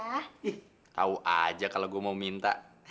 tahu aja kalau gue mau minta